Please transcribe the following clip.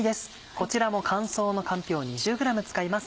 こちらも乾燥のかんぴょう２０ｇ使います。